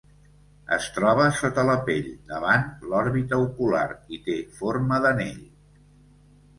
Es troba sota la pell, davant l'òrbita ocular, i té forma d'anell.